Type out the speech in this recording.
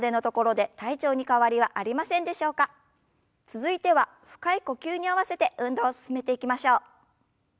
続いては深い呼吸に合わせて運動を進めていきましょう。